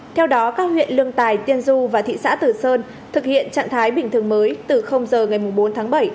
theo đó các huyện lương tài tiên du và thị xã từ sơn thực hiện trạng thái bình thường mới từ giờ ngày bốn tháng bảy